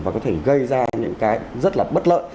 và có thể gây ra những cái rất là bất lợi